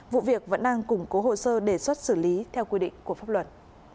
vụ việc vẫn đang củng cố hồ sơ đề xuất xử lý theo quy định của pháp luật